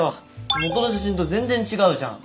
元の写真と全然違うじゃん。